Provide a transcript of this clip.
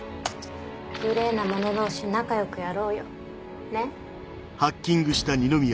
グレーな者同士仲良くやろうよ。ね？